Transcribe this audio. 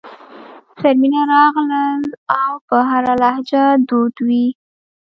زرمینه راغلل که په هره لهجه دود وي.